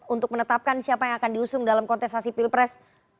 untuk menetapkan siapa yang akan diusung dalam kontestasi pilpres